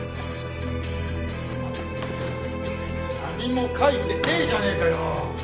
何も書いてねえじゃねえかよ！